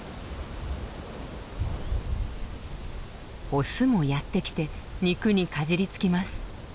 オスもやって来て肉にかじりつきます。